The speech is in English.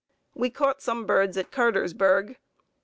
We caught some birds at Cartersburg.